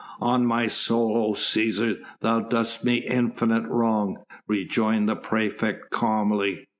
"On my soul, O Cæsar, thou dost me infinite wrong," rejoined the praefect calmly.